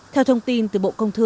theo thông tin từ bộ công thư